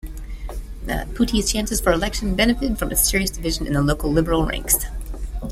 Puttee's chances for election benefitted from a serious division in the local Liberal ranks.